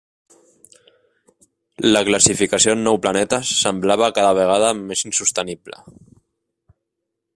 La classificació en nou planetes semblava cada vegada més insostenible.